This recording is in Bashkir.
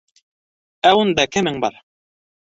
Ә унда кемең бар?